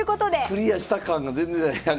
クリアした感が全然ない。